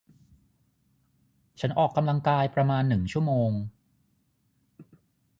ฉันออกกำลังกายประมาณหนึ่งชั่วโมง